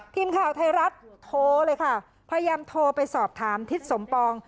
ทีมข่าวไทยรัฐโทรเลยค่ะพยายามโทรไปสอบถามทิศสมปอง